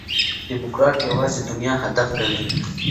ډيموکراټ یوازي دنیا هدف ګڼي.